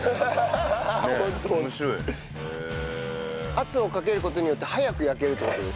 圧をかける事によって早く焼けるって事ですか？